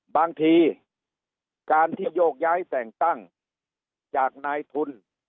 บางทีการที่โยกย้ายแต่งตั้งจากนายทุน